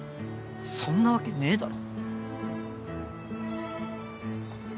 そんなわけねえだろ。